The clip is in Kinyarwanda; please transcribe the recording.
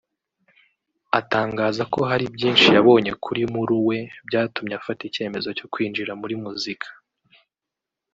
atangaza ko hari byinshi yabonye kuri muru we byatumye afata icyemezo cyo kwinjira muri muzika